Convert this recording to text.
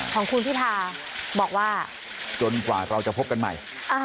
ของคุณพิธาบอกว่าจนกว่าเราจะพบกันใหม่